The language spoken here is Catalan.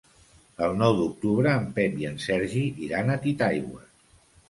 El nou d'octubre en Pep i en Sergi iran a Titaigües.